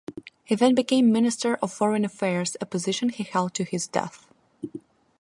He then became Minister of Foreign Affairs, a position he held to his death.